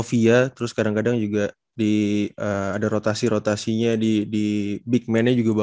kita juga harus inget ya